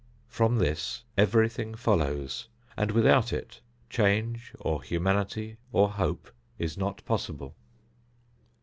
From this everything follows, and without it change or humanity or hope is not possible.